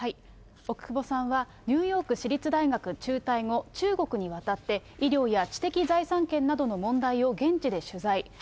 奥窪さんはニューヨーク市立大学を中退後、中国にわたって、医療や知的財産権などの問題を現地で取材。